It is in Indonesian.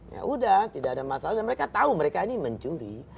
ya udah tidak ada masalah dan mereka tahu mereka ini mencuri